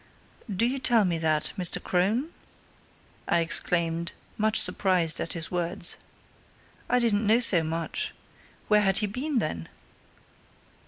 "Do you tell me that, Mr. Crone?" I exclaimed, much surprised at his words. "I didn't know so much. Where had he been, then?"